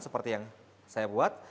seperti yang saya buat